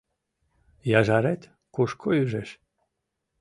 Яжарет кушко ӱжеш?